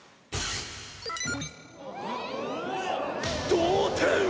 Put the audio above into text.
同点！？